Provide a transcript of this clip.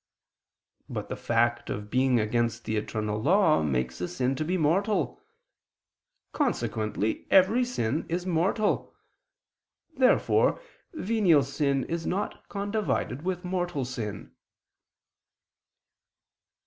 But the fact of being against the eternal law makes a sin to be mortal. Consequently every sin is mortal. Therefore venial sin is not condivided with mortal sin.